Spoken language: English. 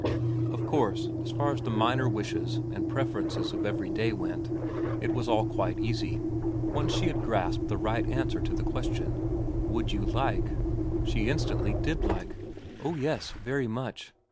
Of course as far as the minor wishes and preferences of every day went it was all quite easy, once she had grasped the right answer to the question, ' Would you like 1 ' She instantly did like. ' Oh yes very much